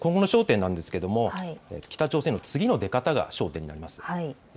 今後の焦点なんですが、北朝鮮の次の出方が焦点になります。